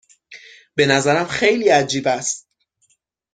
به نظرم خیلی عجیب است.